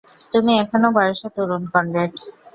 তুমি এখনও বয়সে তরুণ, কনরেড।